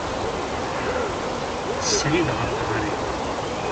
Srid ɣer teɣrit.